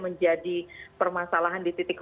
menjadi permasalahan di titik